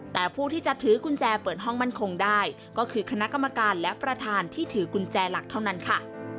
แต่ผู้ที่จะถือกุญแจเปิดห้องมั่นคงได้ก็คือคณะกรรมการและประธานที่ถือกุญแจหลักเท่านั้นค่ะ